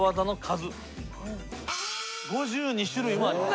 ５２種類もあります。